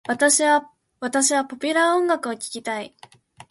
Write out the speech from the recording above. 私はポピュラー音楽を聞きたい。